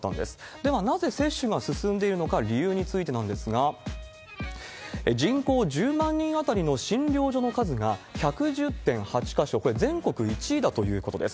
ではなぜ接種が進んでいるのか、理由についてなんですが、人口１０万人当たりの診療所の数が１１０．８か所、これ、全国１位だということです。